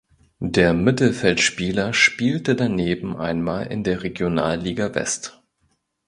Der Mittelfeldspieler spielte daneben einmal in der Regionalliga West.